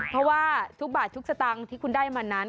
เพราะว่าทุกบาททุกสตางค์ที่คุณได้มานั้น